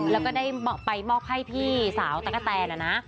แล้วก็ได้ไปมอบให้พี่สาวตะกะแตนนะนะ